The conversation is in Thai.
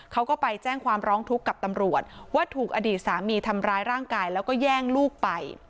เขาก็ไปแจ้งความร้องทุกข์กับตำรวจว่าถูกอดีตสามีทำร้ายร่างกายแล้วก็แย่งลูกไป